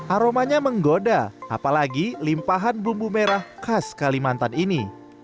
aromanya menggoda apalagi limpahan bumbu merah khas kalimantan ini